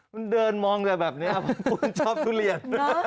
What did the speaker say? มันเดินมองแบบนี้ชอบทุเรียน